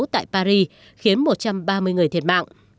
tại paris khiến một trăm ba mươi người thiệt mạng